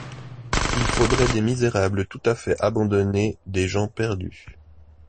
Il faudrait des misérables tout à fait abandonnés, des gens perdus...